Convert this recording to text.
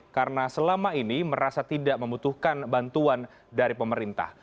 karena selama ini merasa tidak membutuhkan bantuan dari pemerintah